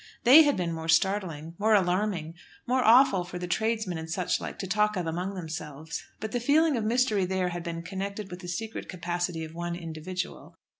They had been more startling, more alarming, more awful for the tradesmen, and such like, to talk of among themselves, but the feeling of mystery there had been connected with the secret capacity of one individual.